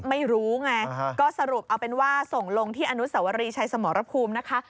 ไม่รู้ไงก็สรุปเอาเป็นว่าส่งลงที่อนุสวรีชัยสมรภูมินะคะ